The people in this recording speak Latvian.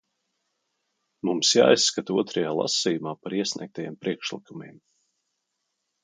Mums jāizskata otrajā lasījumā par iesniegtajiem priekšlikumiem.